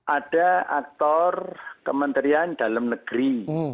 ada aktor kementerian dalam negeri